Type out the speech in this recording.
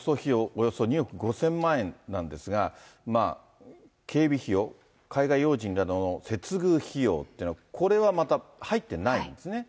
およそ２億５０００万円なんですが、警備費用、海外要人らへの接遇費用ってのは、これはまた入ってないんですね。